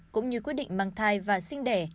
cũng như quyết định mang thai và sinh đẻ